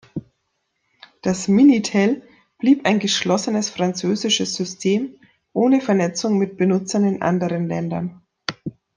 Das Minitel blieb ein geschlossenes französisches System ohne Vernetzung mit Benutzern in anderen Ländern.